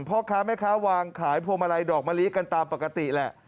พ่อค้าแม่ค้าวางขายพวงมาลัยดอกมะลิกันตามปกติแหละ